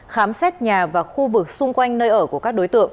khám xét nhà và khu vực xung quanh nơi ở của các đối tượng